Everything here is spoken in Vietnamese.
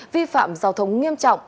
vi phạm giao thống nghiêm trọng